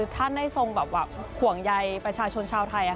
ท่านได้ทรงห่วงใยประชาชนชาวไทย